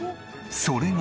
それが。